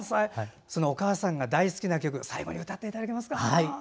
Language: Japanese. そのお母さんが大好きな曲最後に歌っていただけますか。